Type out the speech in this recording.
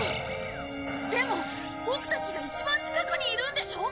でもボクたちが一番近くにいるんでしょ？